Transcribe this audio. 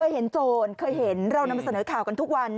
เคยเห็นเนี๊ยะเห็นเราประเสนอข่ากันทุกวัน